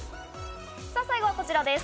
最後はこちらです。